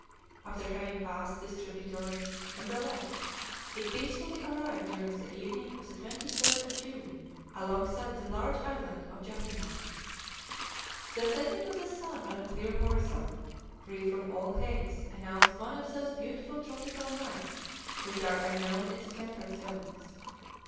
After having passed this tributary on the left, it peacefully arrived during the evening of the 23d of June alongside the large island of Jahuma. The setting of the sun on a clear horizon, free from all haze, announced one of those beautiful tropical nights which are unknown in the temperate zones.